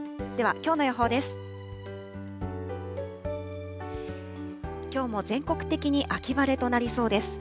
きょうも全国的に秋晴れとなりそうです。